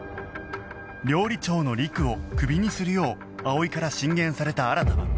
料理長のりくをクビにするよう葵から進言された新は